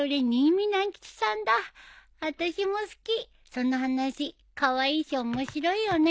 その話カワイイし面白いよね。